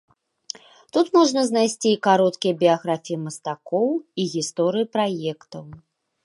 Тут жа можна знайсці і кароткія біяграфіі мастакоў, і гісторыі праектаў.